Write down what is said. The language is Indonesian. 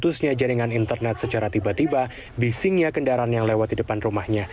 khususnya jaringan internet secara tiba tiba bisingnya kendaraan yang lewat di depan rumahnya